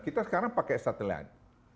kita sekarang pakai satelit